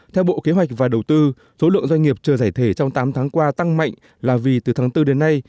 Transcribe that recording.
theo bộ kế hoạch và đầu tư số lượng doanh nghiệp chờ giải thể trong tám tháng qua tăng mạnh là vì từ tháng bốn đến nay